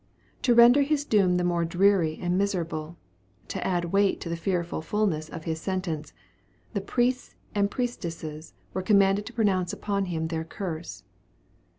To render his doom more dreary and miserable, to add weight to the fearful fulness of his sentence, the priests and priestesses were commanded to pronounce upon him their curse.